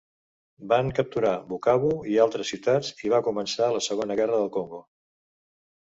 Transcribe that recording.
Van capturar Bukavu i altres ciutats, i va començar la Segona Guerra del Congo.